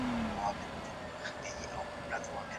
ځيني خلکو خپل شته باورونه له لاسه ورکړل.